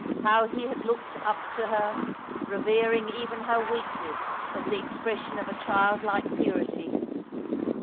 How he had looked up to her, revering even her weakness as the expression of a childlike purity.